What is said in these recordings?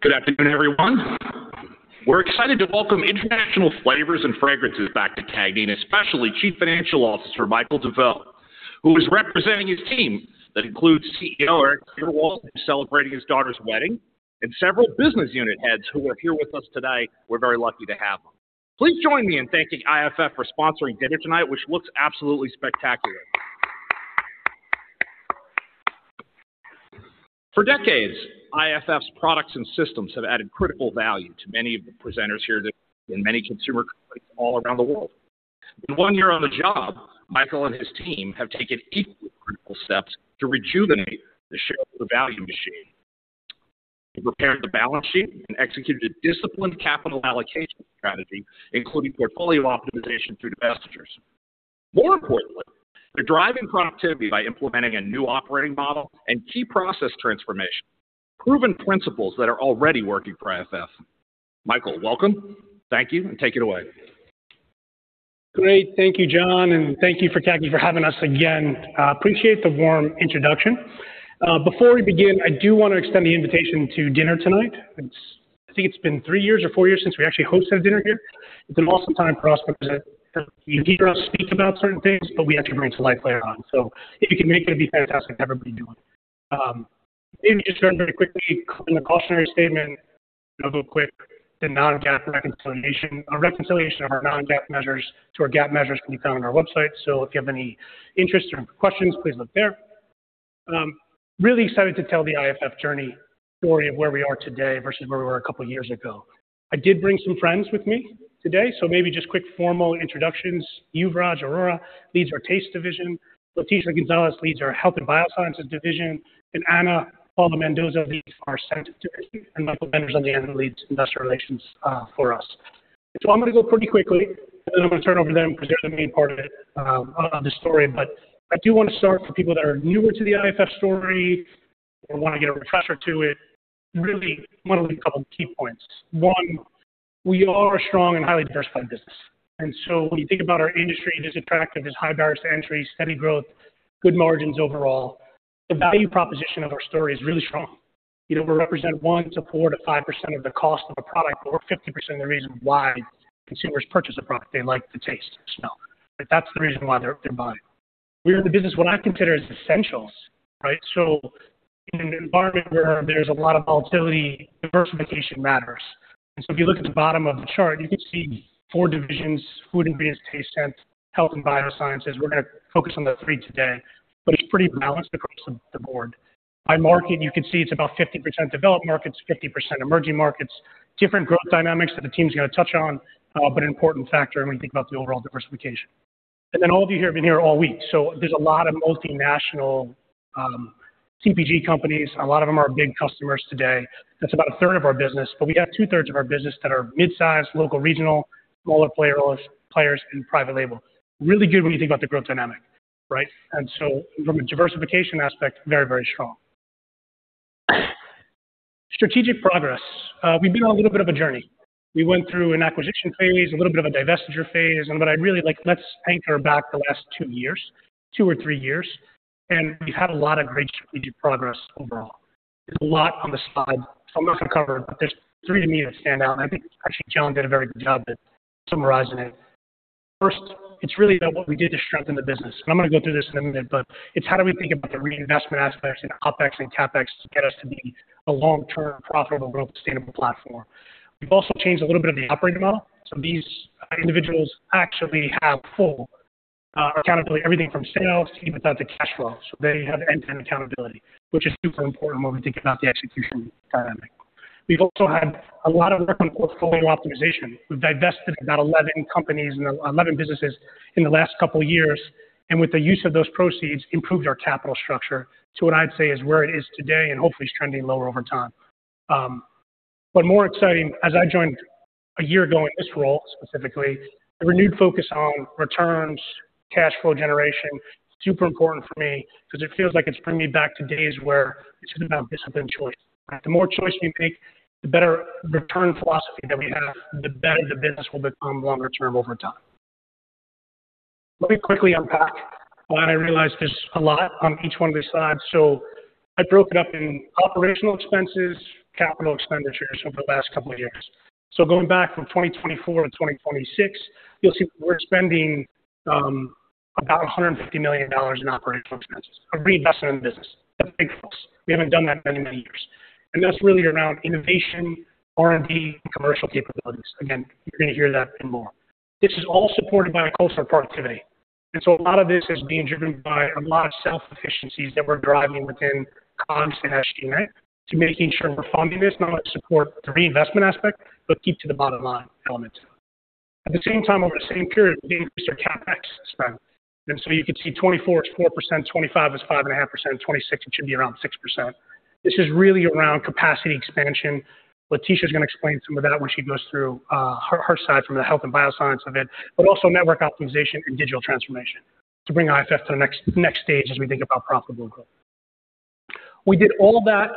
Good afternoon, everyone. We're excited to welcome International Flavors & Fragrances back to CAGNY, especially Chief Financial Officer Michael DeVeau, who is representing his team. That includes CEO Erik Fyrwald, celebrating his daughter's wedding, and several business unit heads who are here with us today. We're very lucky to have them. Please join me in thanking IFF for sponsoring dinner tonight, which looks absolutely spectacular. For decades, IFF's products and systems have added critical value to many of the presenters here today in many consumer companies all around the world. In one year on the job, Michael and his team have taken equally critical steps to rejuvenate the shareholder value machine. They prepared the balance sheet and executed a disciplined capital allocation strategy, including portfolio optimization through divestitures. More importantly, they're driving productivity by implementing a new operating model and key process transformation, proven principles that are already working for IFF. Michael, welcome. Thank you, and take it away. Great. Thank you, John, and thank you for CAGNY for having us again. Appreciate the warm introduction. Before we begin, I do want to extend the invitation to dinner tonight. It's... I think it's been three years or four years since we actually hosted a dinner here. It's an awesome time for us because you hear us speak about certain things, but we have to bring to life later on. So if you can make it, it'd be fantastic to everybody do it. Maybe just very, very quickly, in the cautionary statement, real quick, the non-GAAP reconciliation. A reconciliation of our non-GAAP measures to our GAAP measures can be found on our website. So if you have any interests or questions, please look there. Really excited to tell the IFF journey story of where we are today versus where we were a couple of years ago. I did bring some friends with me today, so maybe just quick formal introductions. Yuvraj Arora leads our Taste division, Leticia Goncalves leads our Health & Biosciences division, and Ana Paula Mendonca leads our Scent division, and Michael DeVeau on the end, leads Investor Relations for us. So I'm going to go pretty quickly, and then I'm going to turn over to them because they're the main part of it of the story. But I do want to start for people that are newer to the IFF story or want to get a refresher to it. Really want to leave a couple of key points. One, we are a strong and highly diversified business, and so when you think about our industry, it is attractive, there's high barriers to entry, steady growth, good margins overall. The value proposition of our story is really strong. You know, we represent 1%-5% of the cost of a product, but we're 50% of the reason why consumers purchase a product. They like the taste and smell. That's the reason why they're, they're buying. We're in the business what I consider is essentials, right? So in an environment where there's a lot of volatility, diversification matters. So if you look at the bottom of the chart, you can see 4 divisions, Food, Beverages, Taste, Scent, Health & Biosciences. We're going to focus on the 3 today, but it's pretty balanced across the board. By market, you can see it's about 50% developed markets, 50% emerging markets, different growth dynamics that the team's going to touch on, but an important factor when you think about the overall diversification. And then all of you here have been here all week, so there's a lot of multinational, CPG companies. A lot of them are big customers today. That's about a third of our business, but we have two-thirds of our business that are mid-sized, local, regional, smaller players, players, and private label. Really good when you think about the growth dynamic, right? And so from a diversification aspect, very, very strong. Strategic progress. We've been on a little bit of a journey. We went through an acquisition phase, a little bit of a divestiture phase, and but I'd really like... Let's anchor back the last two years, two or three years, and we've had a lot of great strategic progress overall. There's a lot on the slide, so I'm not going to cover, but there's three to me that stand out, and I think actually, John did a very good job at summarizing it. First, it's really about what we did to strengthen the business, and I'm going to go through this in a minute, but it's how do we think about the reinvestment aspects in OpEx and CapEx to get us to be a long-term, profitable, growth, sustainable platform? We've also changed a little bit of the operating model, so these individuals actually have full accountability, everything from sales to even down to cash flow. So they have end-to-end accountability, which is super important when we think about the execution dynamic. We've also had a lot of work on portfolio optimization. We've divested about 11 companies and 11 businesses in the last couple of years, and with the use of those proceeds, improved our capital structure to what I'd say is where it is today, and hopefully, it's trending lower over time. But more exciting, as I joined a year ago in this role, specifically, a renewed focus on returns, cash flow generation, super important for me because it feels like it's bringing me back to days where it's about discipline choice. The more choices we make, the better return philosophy that we have, the better the business will become longer term over time. Let me quickly unpack, and I realize there's a lot on each one of these slides, so I broke it up in OpEx, CapEx over the last couple of years. So going back from 2024 to 2026, you'll see we're spending about $150 million in operational expenses, a reinvestment in the business, a big focus. We haven't done that in many, many years, and that's really around innovation, R&D, and commercial capabilities. Again, you're going to hear that and more. This is all supported by a culture of productivity, and so a lot of this is being driven by a lot of self-efficiencies that we're driving within costs to ESG, right? To making sure we're funding this, not only to support the reinvestment aspect, but keep to the bottom line element. At the same time, over the same period, we increased our CapEx spend, and so you can see 2024 is 4%, 2025 is 5.5%, 2026, it should be around 6%. This is really around capacity expansion. Leticia is going to explain some of that when she goes through her side from the Health & Biosciences of it, but also network optimization and digital transformation to bring IFF to the next stage as we think about profitable growth. We did all of that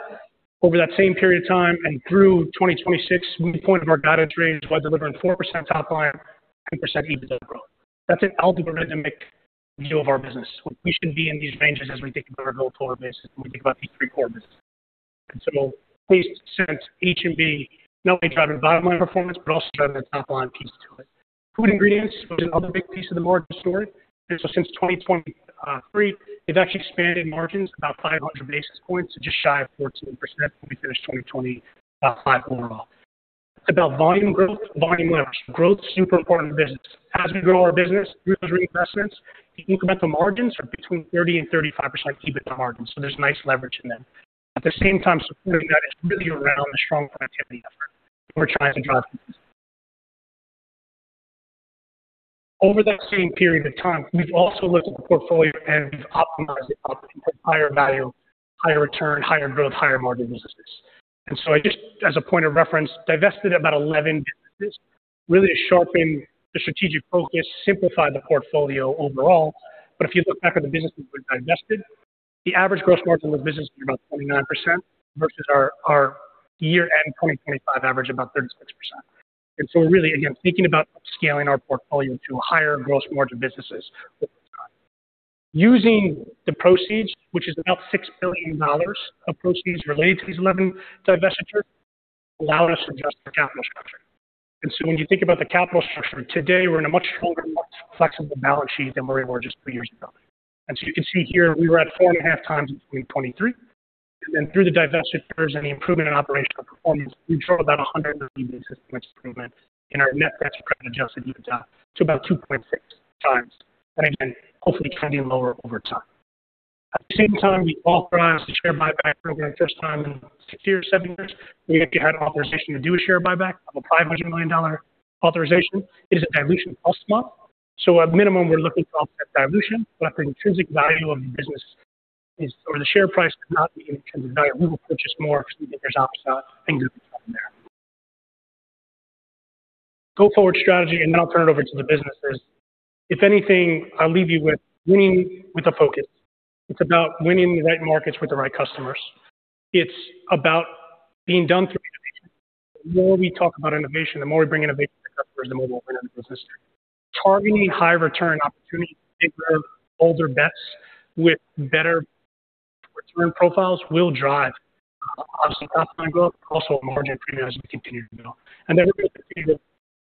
over that same period of time and through 2026, we hit the top of our guided range by delivering 4% top line, 10% EBITDA growth. That's an algorithmic view of our business. We should be in these ranges as we think about our go-forward basis, when we think about these three core businesses. And so please, Scent, H&B not only drive the bottom line performance, but also driving the top line piece to it. Food Ingredients was another big piece of the margin story. So since 2023, they've actually expanded margins about 500 basis points, just shy of 14% when we finished 2025 overall. It's about volume growth, volume leverage. Growth, super important business. As we grow our business through those reinvestments, the incremental margins are between 30% and 35% EBITDA margins, so there's nice leverage in them. At the same time, supporting that is really around the strong productivity effort we're trying to drive. Over that same period of time, we've also looked at the portfolio and we've optimized it up for higher value, higher return, higher growth, higher margin businesses. And so I just, as a point of reference, divested about 11 businesses, really sharpen the strategic focus, simplify the portfolio overall. But if you look back at the businesses we divested, the average gross margin of the business is about 29%, versus our year-end 2025 average, about 36%. And so we're really, again, thinking about scaling our portfolio to higher gross margin businesses over time. Using the proceeds, which is about $6 billion of proceeds related to these 11 divestitures, allowed us to adjust our capital structure. And so when you think about the capital structure, today, we're in a much stronger, more flexible balance sheet than we were just 3 years ago. And so you can see here, we were at 4.5 times in 2023. And then through the divestitures and the improvement in operational performance, we've shown about 130 basis points improvement in our net cash and credit-adjusted EBITDA to about 2.6 times. Again, hopefully trending lower over time. At the same time, we authorized the share buyback program. First time in six years, seven years, we actually had an authorization to do a share buyback of a $500 million authorization. It is a dilution call, so at minimum, we're looking to offset dilution, but the intrinsic value of the business is, or the share price could not be intrinsic value. We will purchase more because we think there's upside in there. Go forward strategy, and then I'll turn it over to the businesses. If anything, I'll leave you with winning with a focus. It's about winning the right markets with the right customers. It's about being done through innovation. The more we talk about innovation, the more we bring innovation to customers, the more we'll win as a business. Targeting high return opportunities to take older bets with better return profiles will drive, obviously, top line growth, but also a margin premium as we continue to grow. And then we're going to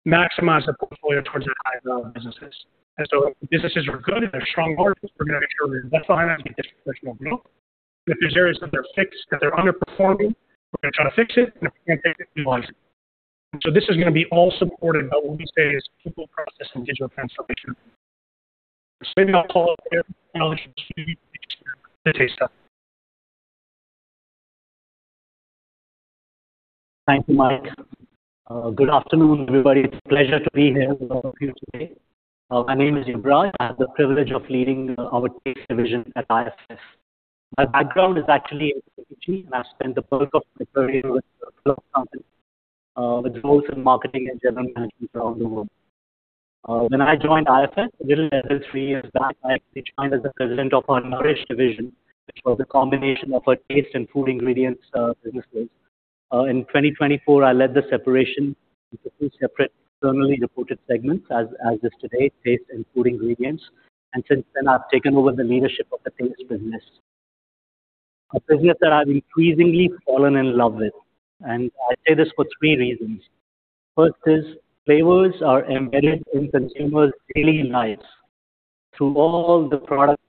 maximize the portfolio towards the high-value businesses. And so if the businesses are good and they're strong margins, we're going to make sure we invest behind them and get additional growth. And if there's areas that they're fixed, that they're underperforming, we're going to try to fix it, and if we can't fix it, we'll utilize it. So this is going to be all supported by what we say is people, process, and digital transformation. So maybe I'll call up Yuvraj to speak to taste. Thank you, Mike. Good afternoon, everybody. It's a pleasure to be here with all of you today. My name is Yuvraj. I have the privilege of leading our taste division at IFF. My background is actually in CPG, and I've spent the bulk of my career with companies, with roles in marketing and general management around the world. When I joined IFF a little less than three years back, I actually joined as the president of our Nourish division, which was a combination of our taste and Food Ingredients, businesses. In 2024, I led the separation into two separate internally reported segments, as is today, taste and Food Ingredients. And since then, I've taken over the leadership of the taste business. A business that I've increasingly fallen in love with, and I say this for three reasons. First is, flavors are embedded in consumers' daily lives through all the products,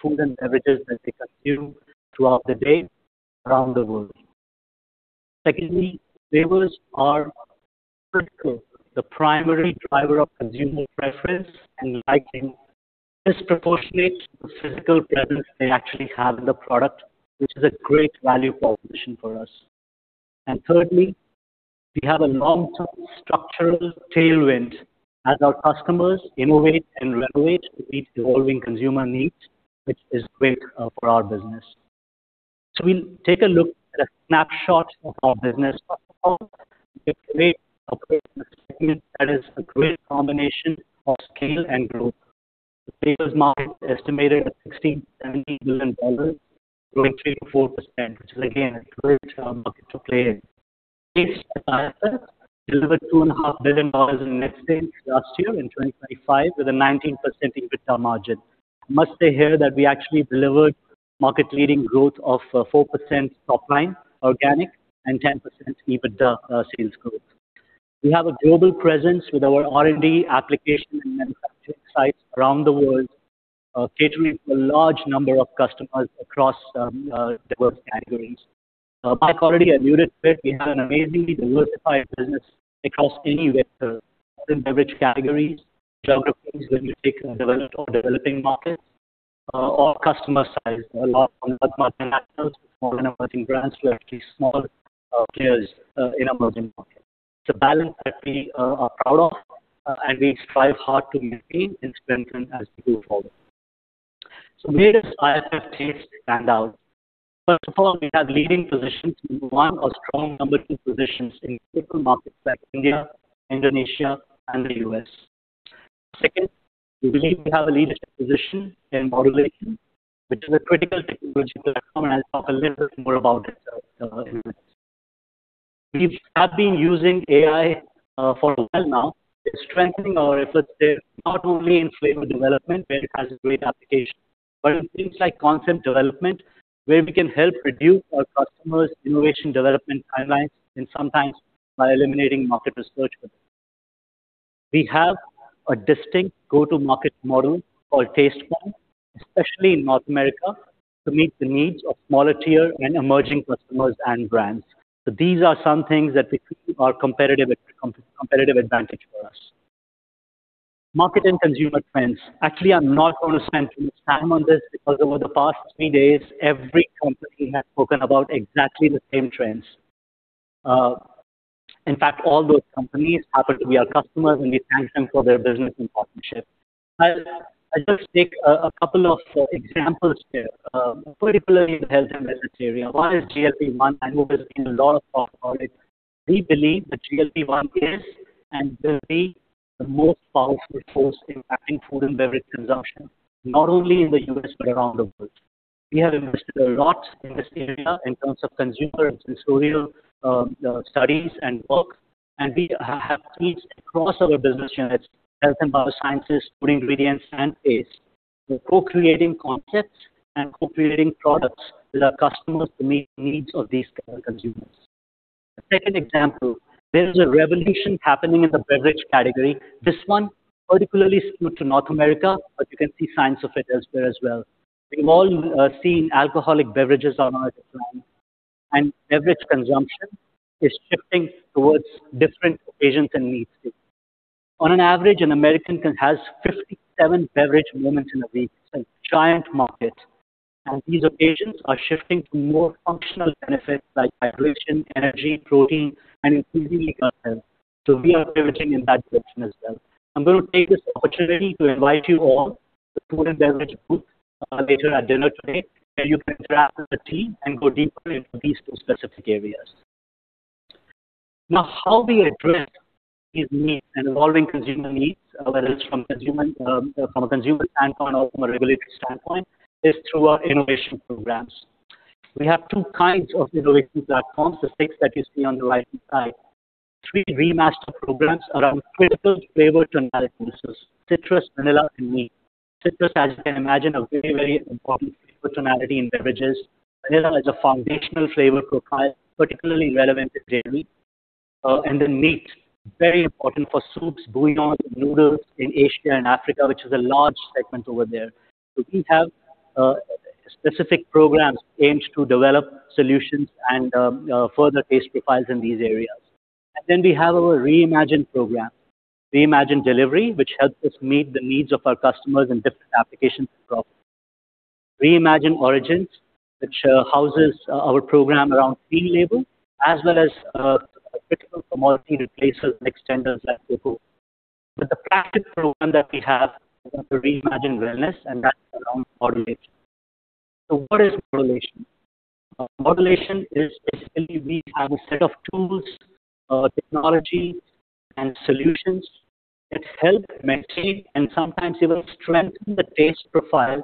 food and beverages that they consume throughout the day, around the world. Secondly, flavors are critical, the primary driver of consumer preference and liking, disproportionate to the physical presence they actually have in the product, which is a great value proposition for us. And thirdly, we have a long-term structural tailwind as our customers innovate and renovate to meet evolving consumer needs, which is great, for our business. So we'll take a look at a snapshot of our business. We operate a segment that is a great combination of scale and growth. The flavors market is estimated at $16-$17 billion, growing 3%-4%, which is again, a great market to play in. IFF delivered $2.5 billion in net sales last year in 2025, with a 19% EBITDA margin. I must say here that we actually delivered market-leading growth of 4% top line organic and 10% EBITDA sales growth. We have a global presence with our R&D application and manufacturing sites around the world, catering to a large number of customers across diverse categories. Mike already alluded to it. We have an amazingly diversified business across any vector, beverage categories, geographies, when you take developed or developing markets, or customer size, a lot of multinational, small and emerging brands, to actually small players in emerging markets. It's a balance that we are proud of, and we strive hard to maintain and strengthen as we move forward. So where does IFF Taste stand out? First of all, we have leading positions, one or strong number two positions in critical markets like India, Indonesia, and the U.S. Second, we believe we have a leadership position in modulation, which is a critical technological platform, and I'll talk a little bit more about it in a minute.... We have been using AI for a while now, and strengthening our efforts there, not only in flavor development, where it has a great application, but in things like concept development, where we can help reduce our customers' innovation development timelines, and sometimes by eliminating market research. We have a distinct go-to-market model called Tastepoint, especially in North America, to meet the needs of smaller tier and emerging customers and brands. So these are some things that we feel are competitive advantage for us. Market and consumer trends. Actually, I'm not going to spend too much time on this, because over the past three days, every company has spoken about exactly the same trends. In fact, all those companies happen to be our customers, and we thank them for their business and partnership. I'll, I'll just take a, a couple of examples here, particularly in the health and wellness area. One is GLP-1, and we've seen a lot of talk about it. We believe that GLP-1 is and will be the most powerful force impacting food and beverage consumption, not only in the U.S. but around the world. We have invested a lot in this area in terms of consumer and sensorial studies and work, and we have teams across our business units, Health & Biosciences, Food Ingredients, and taste. We're co-creating concepts and co-creating products with our customers to meet needs of these kind of consumers. The second example, there is a revolution happening in the beverage category. This one particularly skewed to North America, but you can see signs of it elsewhere as well. We've all seen alcoholic beverages on our decline, and beverage consumption is shifting towards different occasions and needs. On an average, an American can have 57 beverage moments in a week. It's a giant market, and these occasions are shifting to more functional benefits like hydration, energy, protein, and increasingly health. So we are pivoting in that direction as well. I'm going to take this opportunity to invite you all to Food & Beverage booth later at dinner today, where you can interact with the team and go deeper into these two specific areas. Now, how we address these needs and evolving consumer needs, whether it's from consumer, from a consumer standpoint or from a regulatory standpoint, is through our innovation programs. We have two kinds of innovation platforms, the stakes that you see on the right side. Three remaster programs around critical flavor tonalities: citrus, vanilla, and meat. Citrus, as you can imagine, a very, very important tonality in beverages. Vanilla is a foundational flavor profile, particularly relevant to dairy. And then meat, very important for soups, bouillon, noodles in Asia and Africa, which is a large segment over there. So we have, specific programs aimed to develop solutions and, further taste profiles in these areas. And then we have our Re-Imagine program. Re-Imagine Delivery, which helps us meet the needs of our customers in different applications. Re-Imagine Origins, which houses our program around clean label, as well as critical commodity replacers and extenders like before. But the practice program that we have is Re-Imagine Wellness, and that's around modulation. So what is modulation? Modulation is basically we have a set of tools, technology and solutions that help maintain and sometimes even strengthen the taste profile,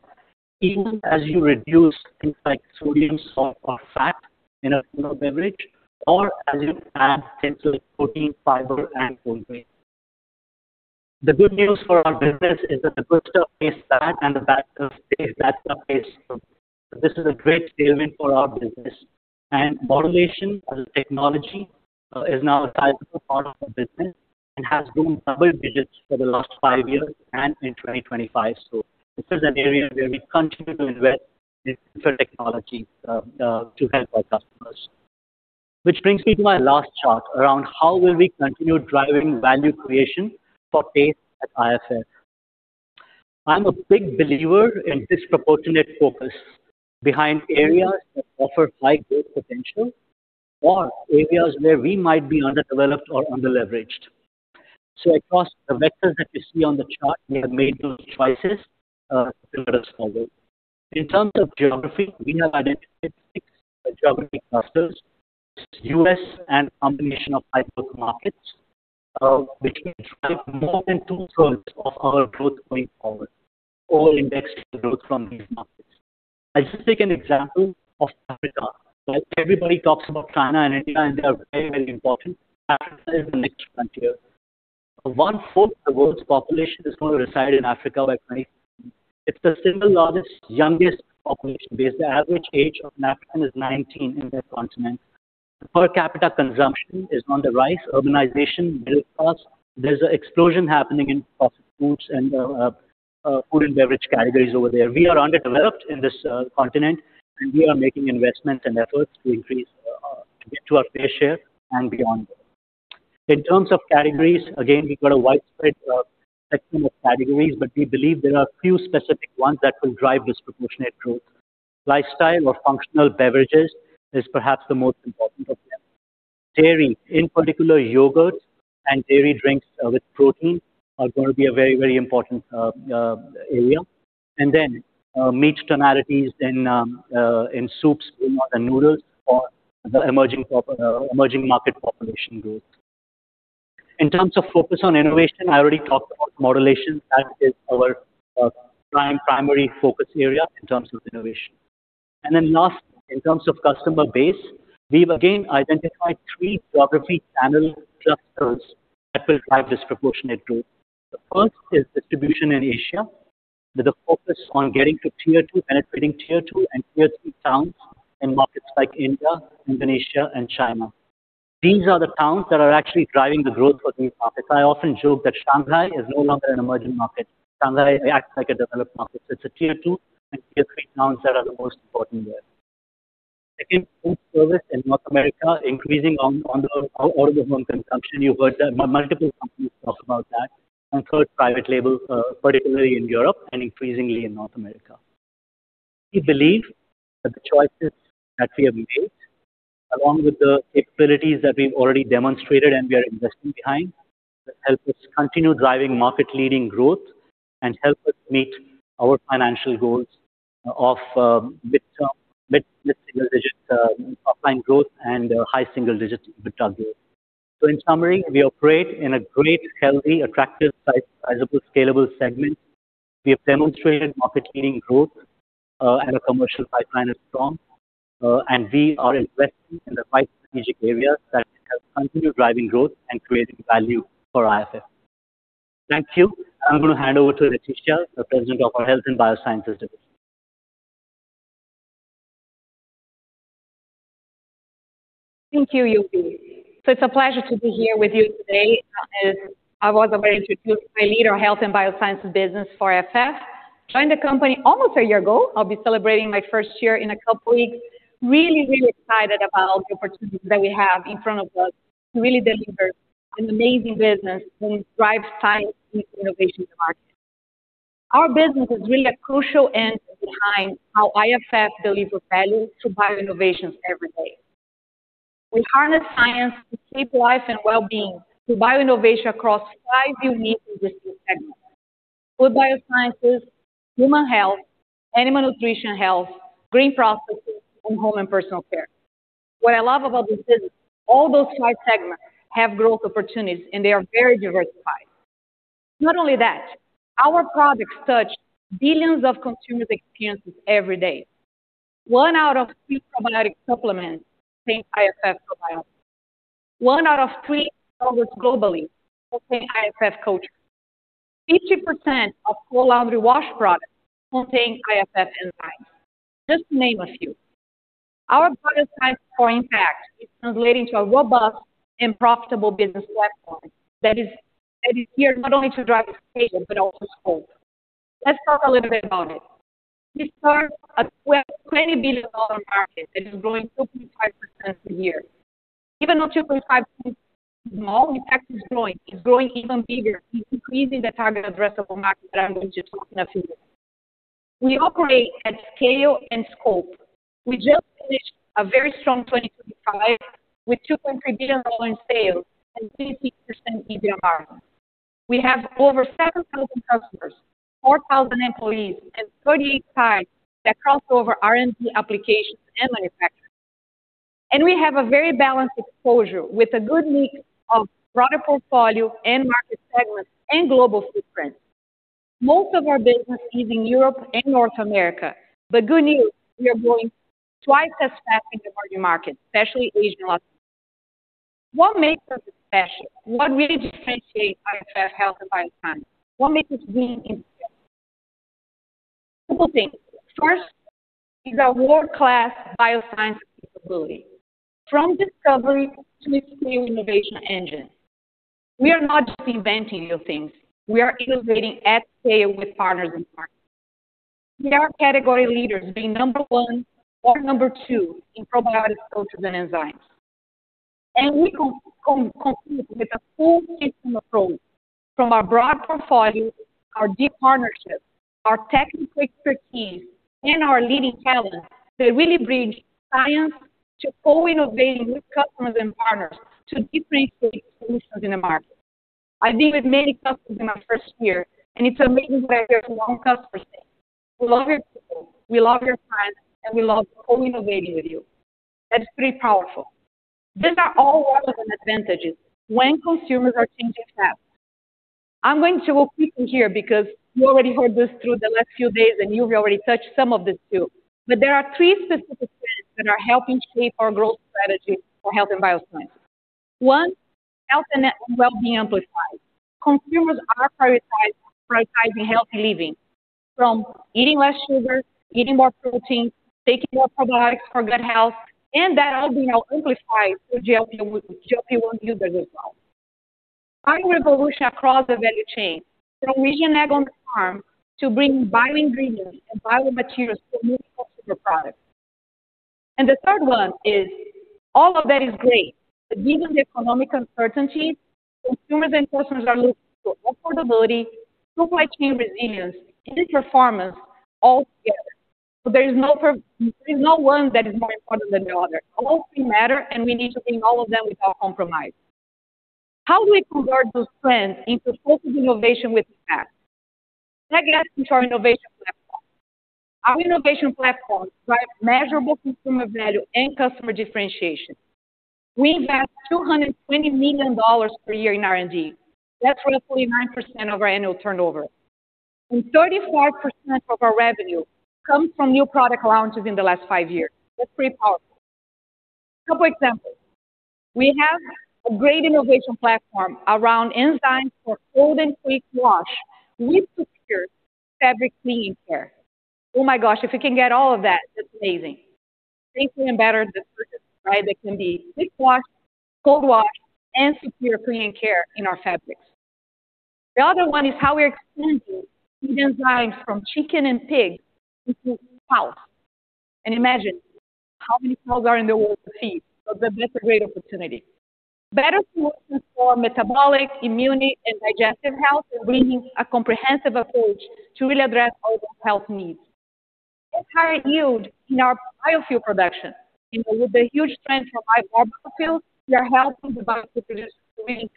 even as you reduce things like sodium, salt, or fat in a food or beverage, or as you add things like protein, fiber, and whole grain. The good news for our business is that the good stuff tastes bad, and the bad stuff tastes bad stuff tastes good. This is a great statement for our business, and modulation as a technology is now a valuable part of the business and has grown double digits for the last five years and in 2025. So this is an area where we continue to invest in different technology, to help our customers. Which brings me to my last chart around how will we continue driving value creation for taste at IFF? I'm a big believer in disproportionate focus behind areas that offer high growth potential or areas where we might be underdeveloped or underleveraged. So across the vectors that you see on the chart, we have made those choices, to grow us forward. In terms of geography, we have identified six geographic clusters, U.S. and combination of high-growth markets, which will drive more than two-thirds of our growth going forward, all index growth from these markets. I'll just take an example of Africa. While everybody talks about China and India, and they are very, very important, Africa is the next frontier. One-fourth of the world's population is going to reside in Africa. It's the single largest, youngest population, because the average age of an African is 19 in that continent. Per capita consumption is on the rise, urbanization, middle class. There's an explosion happening in processed foods and food and beverage categories over there. We are underdeveloped in this continent, and we are making investments and efforts to increase to our fair share and beyond. In terms of categories, again, we've got a widespread section of categories, but we believe there are a few specific ones that will drive disproportionate growth. Lifestyle or functional beverages is perhaps the most important of them. Dairy, in particular, yogurt and dairy drinks with protein are going to be a very, very important area. And then, meat tonalities in soups, bouillon, and noodles for the emerging market population growth. In terms of focus on innovation, I already talked about modulation. That is our prime primary focus area in terms of innovation. And then last, in terms of customer base, we've again identified three geography channel clusters that will drive disproportionate growth. The first is distribution in Asia, with a focus on getting to tier two, penetrating tier two and tier three towns in markets like India, Indonesia and China. These are the towns that are actually driving the growth for these markets. I often joke that Shanghai is no longer an emerging market. Shanghai acts like a developed market. It's a tier two and tier three towns that are the most important there. Second, food service in North America, increasing on the out-of-home consumption. You've heard that multiple companies talk about that. And third, private label, particularly in Europe and increasingly in North America. We believe that the choices that we have made, along with the capabilities that we've already demonstrated and we are investing behind, will help us continue driving market-leading growth and help us meet our financial goals of mid-term, mid, mid-single digit top-line growth and high single digits EBITDA growth. So in summary, we operate in a great, healthy, attractive, sizable, scalable segment. We have demonstrated market-leading growth, and our commercial pipeline is strong, and we are investing in the right strategic areas that will help continue driving growth and creating value for IFF. Thank you. I'm going to hand over to Leticia, the President of our Health & Biosciences division. Thank you, Yubi. So it's a pleasure to be here with you today. As I was introduced, I lead our Health & Biosciences business for IFF. Joined the company almost a year ago. I'll be celebrating my first year in a couple weeks. Really, really excited about the opportunities that we have in front of us to really deliver an amazing business that drives science and innovation to market. Our business is really a crucial engine behind how IFF delivers value to bio innovations every day. We harness science to shape life and well-being through bio innovation across five unique industry segments: food biosciences, human health, animal nutrition health, green processes, and home and personal care. What I love about this business, all those five segments have growth opportunities, and they are very diversified. Not only that, our products touch billions of consumers' experiences every day. One out of three probiotic supplements contain IFF probiotics. One out of three yogurts globally contain IFF cultures. 80% of all laundry wash products contain IFF enzymes, just to name a few. Our product science core impact is translating to a robust and profitable business platform that is, that is here not only to drive scale, but also scope. Let's talk a little bit about it. We serve a $12 billion-$20 billion market, and it's growing 2.5% per year. Even though 2.5 seems small, in fact, it's growing. It's growing even bigger. It's increasing the target addressable market that I'm going to talk in a few minutes. We operate at scale and scope. We just finished a very strong 2025, with $2.3 billion in sales and 15% EBITDA. We have over 7,000 customers, 4,000 employees, and 38 sites that cross over R&D applications and manufacturing. We have a very balanced exposure with a good mix of product portfolio and market segments and global footprint. Most of our business is in Europe and North America, but good news, we are growing twice as fast in emerging markets, especially Asia and Latin America. What makes us special? What really differentiates IFF Health & Biosciences? What makes us win in the market? Simple thing. First, is a world-class bioscience capability, from discovery to a scale innovation engine. We are not just inventing new things, we are innovating at scale with partners in the market. We are category leaders, being number 1 or number 2 in probiotics, cultures, and enzymes. We compete with a full system approach from our broad portfolio, our deep partnerships, our technical expertise, and our leading talent. They really bridge science to co-innovating with customers and partners to differentiate solutions in the market. I've been with many customers in my first year, and it's amazing where there's one customer saying, "We love your people, we love your science, and we love co-innovating with you." That's pretty powerful. These are all relevant advantages when consumers are changing fast. I'm going to go quickly here because you already heard this through the last few days, and Yubi already touched some of this, too. But there are three specific trends that are helping shape our growth strategy for Health & Biosciences. One, health and well-being amplified. Consumers are prioritizing healthy living, from eating less sugar, eating more protein, taking more probiotics for gut health, and that all being amplified through GLP-1 users as well. Bio revolution across the value chain, from regenerative agriculture on the farm to bringing bio ingredients and bio materials to new consumer products. And the third one is, all of that is great, but given the economic uncertainty, consumers and customers are looking for affordability, supply chain resilience, and performance all together. So there is no one that is more important than the other. All three matter, and we need to bring all of them without compromise. How do we convert those plans into focused innovation with impact? Let's get into our innovation portfolio. Our innovation platform drives measurable consumer value and customer differentiation. We invest $220 million per year in R&D. That's roughly 9% of our annual turnover, and 34% of our revenue comes from new product launches in the last five years. That's pretty powerful. So for example, we have a great innovation platform around enzymes for cold and quick wash with superior fabric cleaning care. Oh, my gosh, if you can get all of that, that's amazing. Clean and better, right? It can be quick wash, cold wash, and superior cleaning care in our fabrics. The other one is how we're expanding enzymes from chicken and pig into cow. And imagine how many cows are in the world to feed, so that's a great opportunity. Better solutions for metabolic, immunity, and digestive health, and bringing a comprehensive approach to really address all those health needs. Higher yield in our biofuel production. You know, with the huge trend for biofuels, we are helping the bio to produce many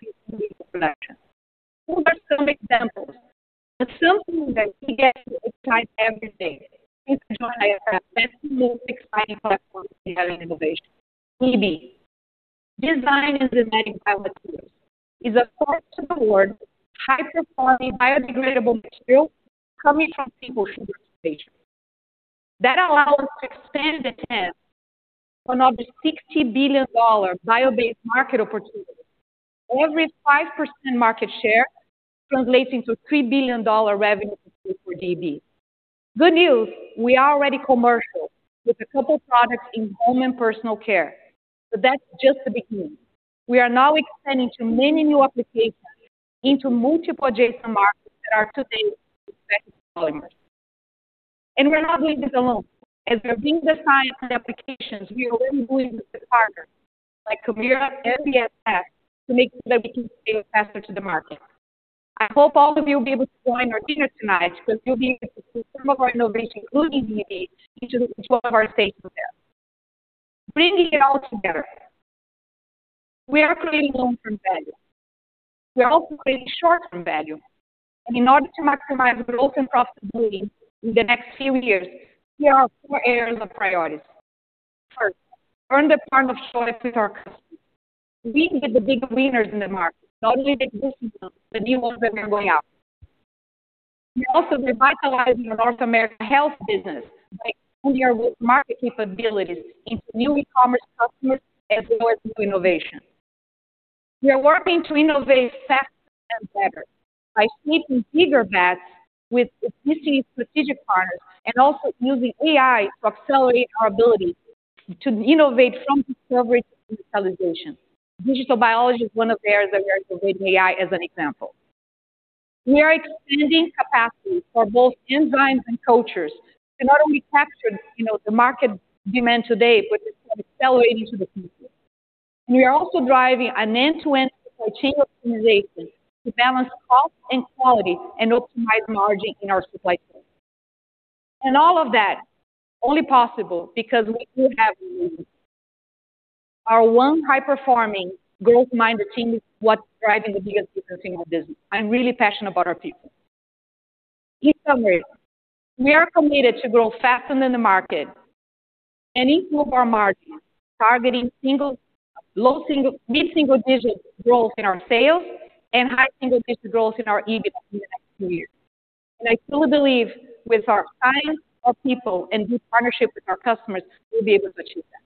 production. Those are some examples, but something that we get excited every day at IFF, that's the most exciting platform we have in innovation, DEB. Designed Enzymatic Biomaterials is a first-in-the-world, high-performing, biodegradable material coming from polysaccharides. That allow us to expand the tent on over $60 billion bio-based market opportunity. Every 5% market share translates into $3 billion revenue for DEB. Good news, we are already commercial with a couple products in home and personal care, but that's just the beginning. We are now expanding to many new applications into multiple adjacent markets that are today polymers. And we're not doing this alone. As we're building the science and applications, we are already doing this with partners like Kemira and BASF to make sure that we can get faster to the market. I hope all of you will be able to join our dinner tonight, because you'll be able to see some of our innovation, including DEB, which is one of our safer there. Bringing it all together, we are creating long-term value. We are also creating short-term value. In order to maximize growth and profitability in the next few years, here are four areas of priorities. First, earn the partner of choice with our customers. We get the big winners in the market, not only the existing ones, the new ones that are going out. We're also revitalizing our North America health business by building our market capabilities into new e-commerce customers, as well as new innovation. We are working to innovate faster and better by seeking bigger bets with existing strategic partners and also using AI to accelerate our ability to innovate from discovery to utilization. Digital biology is one of the areas that we're doing AI as an example. We are expanding capacity for both enzymes and cultures to not only capture, you know, the market demand today, but it's accelerating to the future. We are also driving an end-to-end chain optimization to balance cost and quality and optimize margin in our supply chain. And all of that only possible because we do have our one high-performing growth-minded team is what's driving the biggest difference in our business. I'm really passionate about our people. In summary, we are committed to grow faster than the market and improve our margin, targeting low single- to mid-single-digit growth in our sales and high single-digit growth in our EBIT in the next few years. I fully believe with our highest of people and good partnership with our customers, we'll be able to achieve that.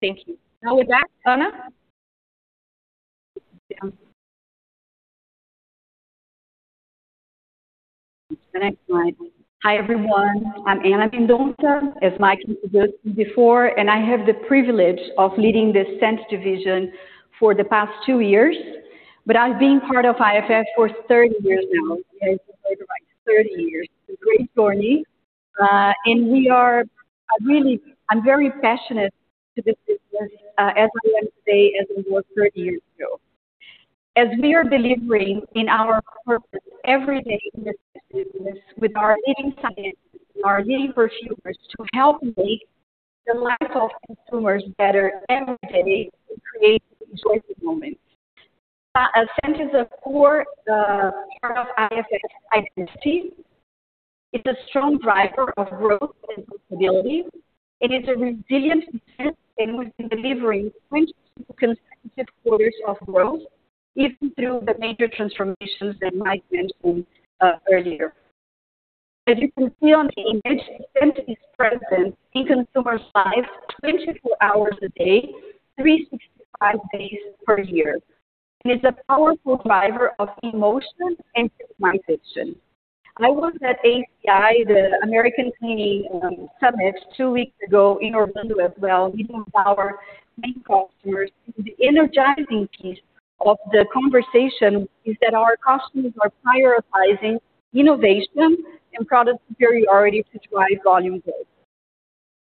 Thank you. Now with that, Ana? The next slide. Hi, everyone. I'm Ana Mendonça, as Mike introduced me before, and I have the privilege of leading the Scents division for the past 2 years, but I've been part of IFF for 30 years now. Yes, 30 years. It's a great journey, and we really, I'm very passionate to this business, as I am today, as it was 30 years ago. As we are delivering in our purpose every day in this business with our leading science, our leading perfumers, to help make the life of consumers better every day, to create enjoyable moments. Scents is a core part of IFF's identity. It's a strong driver of growth and profitability. It is a resilient business, and we've been delivering 22 consecutive quarters of growth, even through the major transformations that Mike mentioned, earlier. As you can see on the image, Scents is present in consumers' lives 24 hours a day, 365 days per year. It's a powerful driver of emotion and civilization. I was at ACI, the American Cleaning Institute Summit, two weeks ago in Orlando as well, meeting with our main customers. The energizing piece of the conversation is that our customers are prioritizing innovation and product superiority to drive volume growth.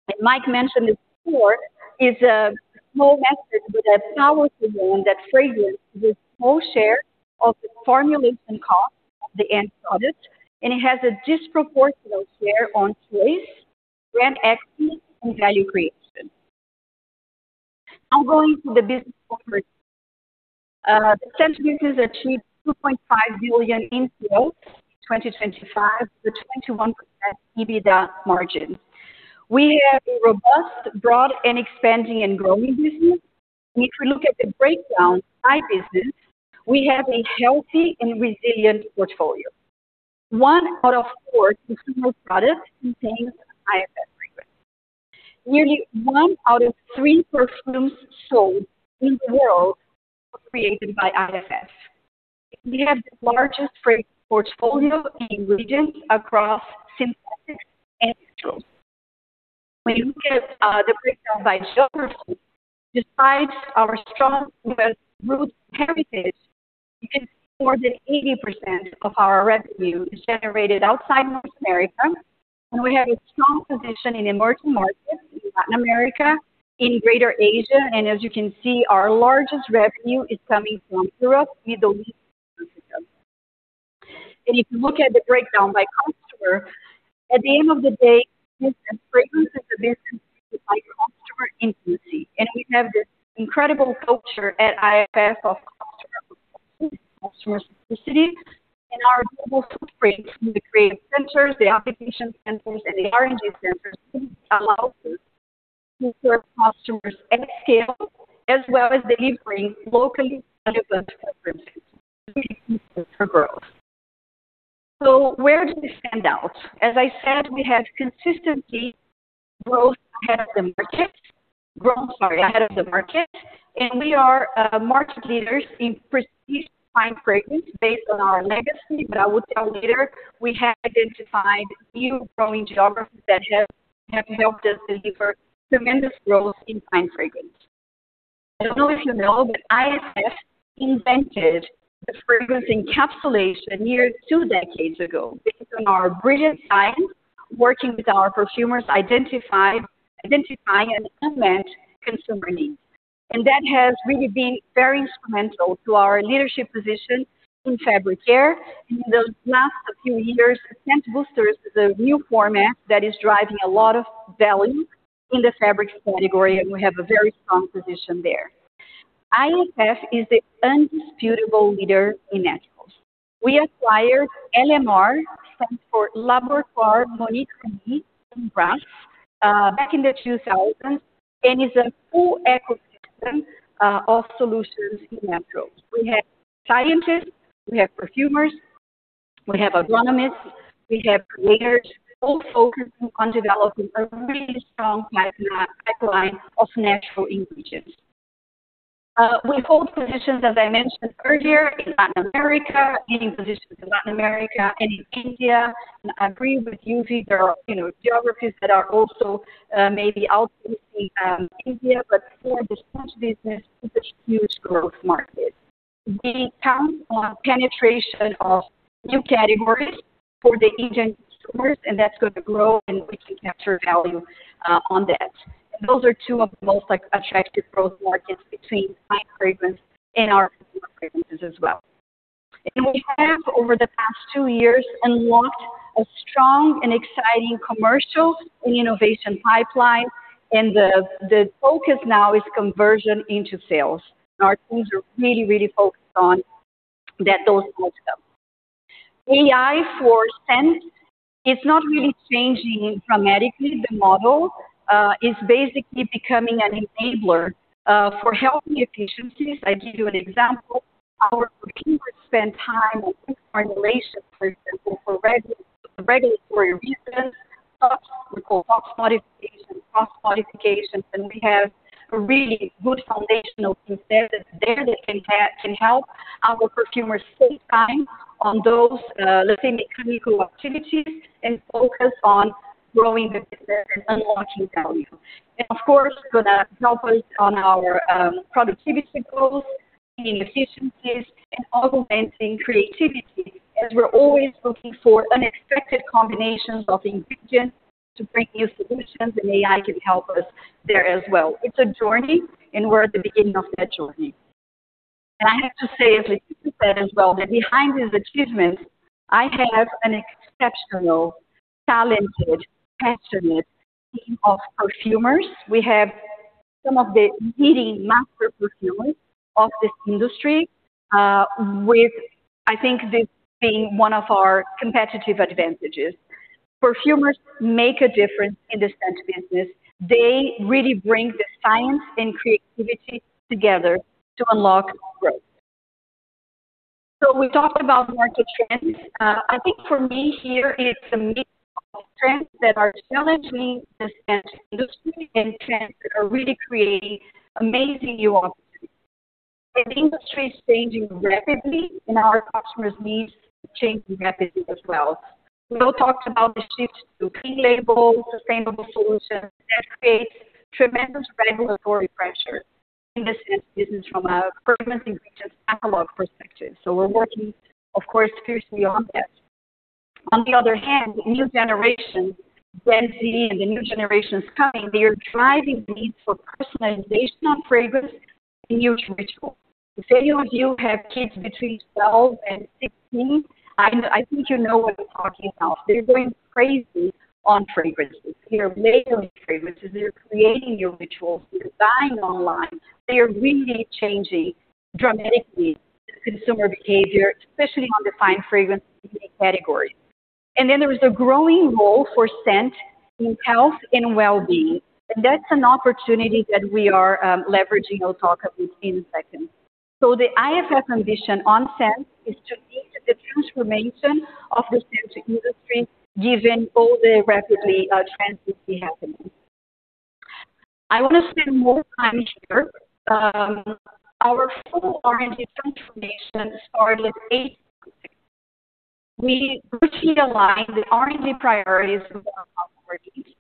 And Mike mentioned this before, is a small matter, but a powerful one, that fragrance is small share of the formulation cost of the end product, and it has a disproportionate share on place, brand equity, and value creation. I'm going to the business overview. The Scent business achieved $2.5 billion in sales, 2025, with 21% EBITDA margin. We have a robust, broad, and expanding and growing business. If we look at the breakdown by business, we have a healthy and resilient portfolio. One out of four consumer products contains IFF fragrance. Nearly one out of three perfumes sold in the world were created by IFF. We have the largest fragrance portfolio in regions across synthetic and natural. When you look at the breakdown by geography, despite our strong U.S. root heritage, more than 80% of our revenue is generated outside North America, and we have a strong position in emerging markets, in Latin America, in Greater Asia, and as you can see, our largest revenue is coming from Europe, Middle East, and Africa. And if you look at the breakdown by customer, at the end of the day, fragrance is a business by customer intimacy, and we have this incredible culture at IFF of customer customer simplicity, and our global footprint from the creative centers, the application centers, and the R&D centers allow us to serve customers at scale, as well as delivering locally relevant preferences for growth. So where do we stand out? As I said, we have consistently growth ahead of the market, grown, sorry, ahead of the market, and we are market leaders in prestige fine fragrance based on our legacy, but I will tell you later, we have identified new growing geographies that have helped us deliver tremendous growth in fine fragrance. I don't know if you know, but IFF invented the fragrance encapsulation nearly two decades ago, based on our brilliant science, working with our perfumers, identifying an unmet consumer need. And that has really been very instrumental to our leadership position in fabric care. In those last few years, scent boosters is a new format that is driving a lot of value in the fabric category, and we have a very strong position there. IFF is the indisputable leader in naturals. We acquired LMR, stands for Laboratoire Monique Remy in France, back in 2000, and is a full ecosystem of solutions in naturals. We have scientists, we have perfumers, we have agronomists, we have creators, all focused on developing a really strong pipeline of natural ingredients. We hold positions, as I mentioned earlier, in Latin America, leading positions in Latin America and in Asia. I agree with you, there are, you know, geographies that are also maybe out Asia, but for the Scent business, it's a huge growth market. We count on penetration of new categories for the Asian consumers, and that's going to grow, and we can capture value on that. Those are two of the most attractive growth markets between fine fragrance and our fragrances as well. We have, over the past two years, unlocked a strong and exciting commercial and innovation pipeline, and the focus now is conversion into sales. Our teams are really, really focused on that those goals come. AI for Scent is not really changing dramatically the model, it's basically becoming an enabler for helping efficiencies. I give you an example. Our perfumers spend time on formulation, for example, for regulatory reasons, such as we call CMR classification, CMR classification, and we have a really good foundational system there that can help our perfumers save time on those, let's say, mechanical activities and focus on growing the business and unlocking value. And of course, gonna help us on our productivity goals, inefficiencies and augmenting creativity, as we're always looking for unexpected combinations of ingredients to bring new solutions, and AI can help us there as well. It's a journey, and we're at the beginning of that journey. And I have to say, as said as well, that behind these achievements, I have an exceptional, talented, passionate team of perfumers. We have some of the leading master perfumers of this industry, with, I think, this being one of our competitive advantages. Perfumers make a difference in the Scent business. They really bring the science and creativity together to unlock growth. So we talked about market trends. I think for me here, it's a mix of trends that are challenging the Scent industry and trends that are really creating amazing new opportunities. And the industry is changing rapidly, and our customers' needs are changing rapidly as well. We all talked about the shift to clean label, sustainable solutions. That creates tremendous regulatory pressure in the Scent business from a fragrance ingredients analog perspective. So we're working, of course, fiercely on that. On the other hand, new generation, Gen Z, and the new generations coming, they are driving the need for personalization of fragrance, huge ritual. If any of you have kids between 12 and 16, I know, I think you know what I'm talking about. They're going crazy on fragrances. They're making fragrances, they're creating new rituals, they're buying online. They are really changing dramatically consumer behavior, especially on the fine fragrance category. And then there is a growing role for Scent in health and well-being, and that's an opportunity that we are leveraging. I'll talk about this in a second. So the IFF ambition on Scent is to lead the transformation of the Scent industry, given all the rapidly trends that be happening. I want to spend more time here. Our full R&D transformation started late. We routinely align the R&D priorities with our operations.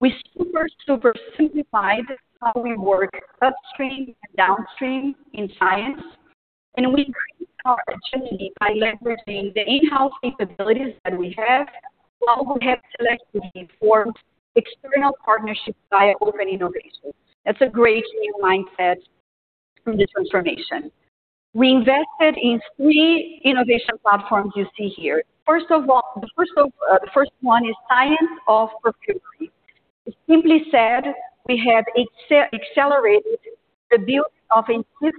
We super, super simplified how we work upstream and downstream in science, and we increased our agility by leveraging the in-house capabilities that we have, while we have selectively formed external partnerships via open innovation. That's a great new mindset from the transformation. We invested in three innovation platforms you see here. First of all, the first one is Science of Perfumery. Simply said, we have accelerated the build of a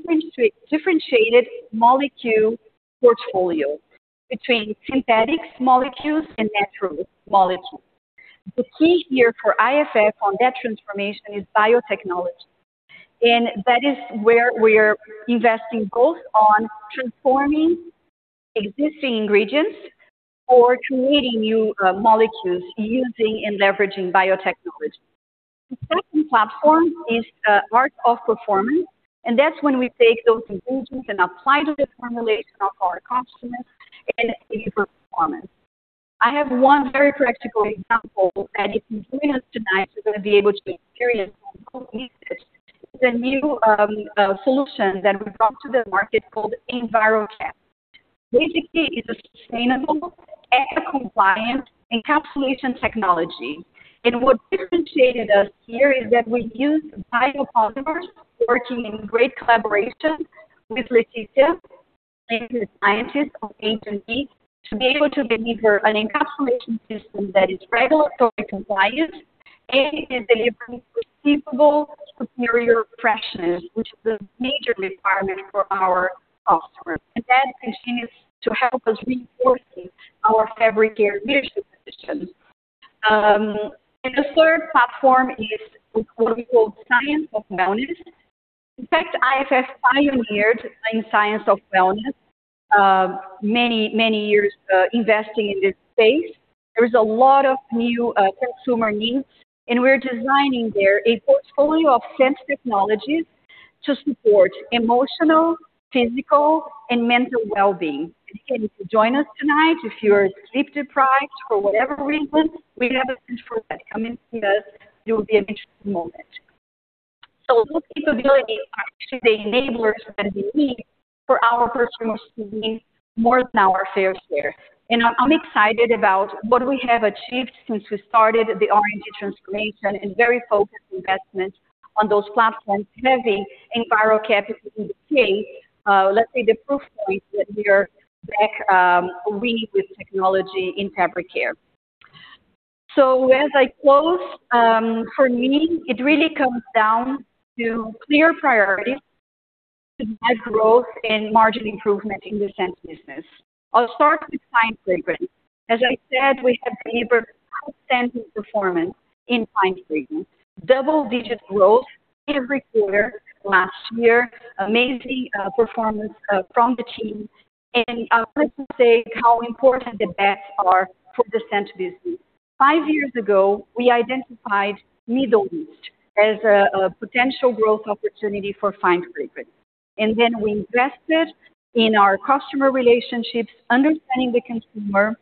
differentiated molecule portfolio between synthetics, molecules, and natural molecules. The key here for IFF on that transformation is biotechnology, and that is where we're investing both on transforming existing ingredients or creating new molecules using and leveraging biotechnology. The second platform is Art of Performance, and that's when we take those ingredients and apply to the formulation of our customers and deliver performance. I have one very practical example, and if you join us tonight, you're going to be able to experience this. The new solution that we brought to the market called EnviroCap. Basically, it's a sustainable eco-compliant encapsulation technology. And what differentiated us here is that we use biopolymers, working in great collaboration with Leticia and the scientists of H&B, to be able to deliver an encapsulation system that is regulatory compliant and is delivering perceivable superior freshness, which is a major requirement for our customers. And that continues to help us reinforce our fabric care leadership position. And the third platform is what we call Science of Wellness. In fact, IFF pioneered in Science of Wellness, many, many years, investing in this space. There is a lot of new consumer needs, and we're designing there a portfolio of Scent technologies to support emotional, physical, and mental well-being. And if you join us tonight, if you are sleep deprived, for whatever reason, we have a for that. Come and see us, it will be an interesting moment. So those capabilities are actually the enablers that we need for our personal being, more than our fair share. I'm excited about what we have achieved since we started the R&D transformation and very focused investment on those platforms, having EnviroCap, in the case, let's say the proof point that we are back, with technology in fabric care. As I close, for me, it really comes down to clear priorities, to drive growth and margin improvement in the Scent business. I'll start with fine fragrance. As I said, we have delivered outstanding performance in fine fragrance. Double-digit growth every quarter last year, amazing performance from the team. I'd like to say how important the bets are for the Scent business. Five years ago, we identified Middle East as a potential growth opportunity for fine fragrance, and then we invested in our customer relationships, understanding the consumer,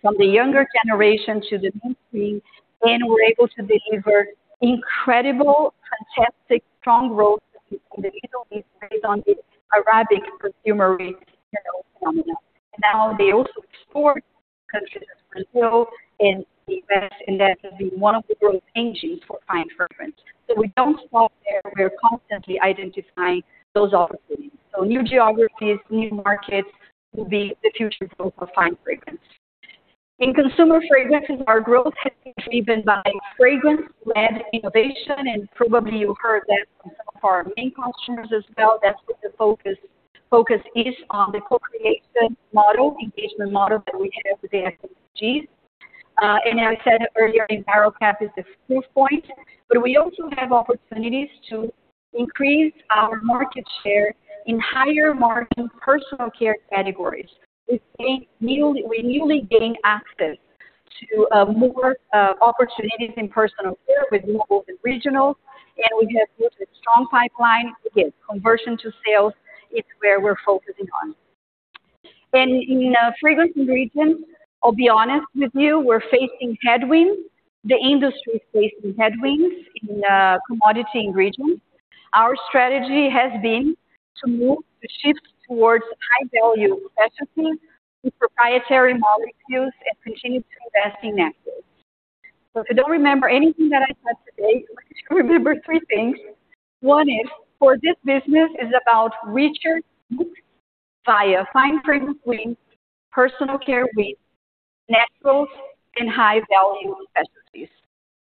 from the younger generation to the mainstream, and we're able to deliver incredible, fantastic, strong growth in the Middle East based on the Arabic perfumery, you know, coming up. Now, they also export countries as Brazil and the US, and that has been one of the growth engines for fine fragrance. So we don't stop there. We're constantly identifying those opportunities. So new geographies, new markets will be the future growth of fine fragrance. In consumer fragrances, our growth has been driven by fragrance led innovation, and probably you heard that from some of our main customers as well. That's what the focus is on the co-creation model, engagement model that we have with the CPG. As I said earlier, EnviroCap is the proof point, but we also have opportunities to increase our market share in higher margin personal care categories. We newly gain access to more opportunities in personal care with global and regional, and we have built a strong pipeline. Again, conversion to sales is where we're focusing on. And in fragrance ingredients, I'll be honest with you, we're facing headwinds. The industry is facing headwinds in commodity ingredients. Our strategy has been to shift towards high-value specialties with proprietary molecules and continue to invest in naturals. So if you don't remember anything that I said today, just remember three things. One is, for this business is about growth via fine fragrance wins, personal care wins, naturals and high-value specialties.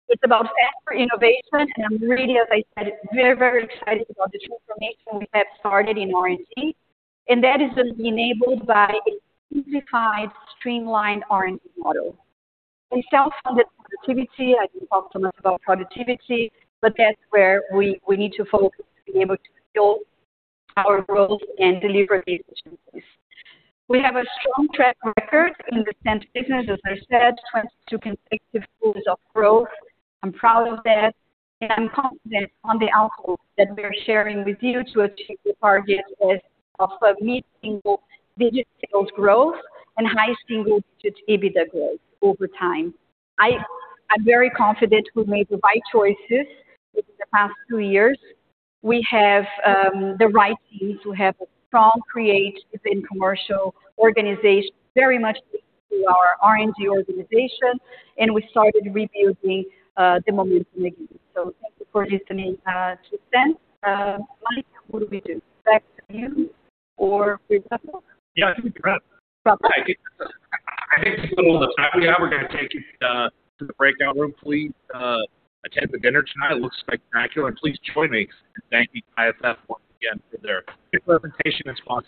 It's about faster innovation, and I'm really, as I said, very, very excited about the transformation we have started in R&D, and that is enabled by a simplified, streamlined R&D model. A self-funded productivity. I didn't talk to us about productivity, but that's where we, we need to focus to be able to fuel our growth and deliver these opportunities. We have a strong track record in the Scent business, as I said, 22 consecutive years of growth. I'm proud of that, and I'm confident on the outlook that we're sharing with you to achieve the target of a mid-single-digit sales growth and high-single-digit EBITDA growth over time. I-I'm very confident we made the right choices over the past two years. We have the right team to have a strong, creative, and commercial organization, very much thanks to our R&D organization, and we started rebuilding the momentum again. So thank you for listening to Scent. Mike, what do we do? Back to you or- Yeah, I think with the little time we have, we're going to take you to the breakout room, please attend the dinner tonight. It looks spectacular. Please join me in thanking IFF once again for their good presentation this morning.